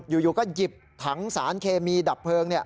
อยู่ก็หยิบถังสารเคมีดับเพลิง